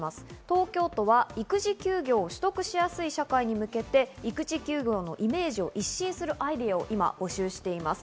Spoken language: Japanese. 東京都は育児休業を取得しやすい社会に向けて育児休業のイメージを一新するアイデアを今、募集しています。